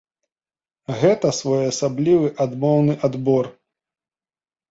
Гэта своеасаблівы адмоўны адбор.